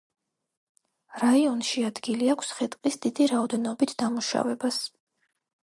რაიონში ადგილი აქვს ხე-ტყის დიდი რაოდენობით დამუშავებას.